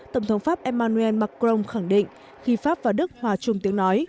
tổng thống pháp emmanuel macron khẳng định khi pháp và đức hòa chung tiếng nói